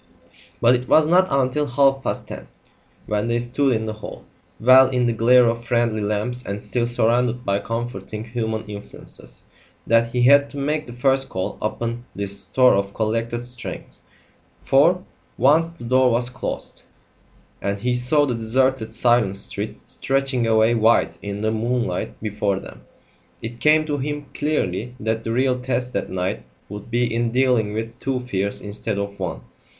But it was not until half past ten, when they stood in the hall, well in the glare of friendly lamps and still surrounded by comforting human influences, that he had to make the first call upon this store of collected strength. For, once the door was closed, and he saw the deserted silent street stretching away white in the moonlight before them, it came to him clearly that the real test that night would be in dealing with two fears instead of one.